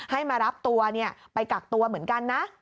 ให้มารับตัวไปกักตัวเหมือนกันนะ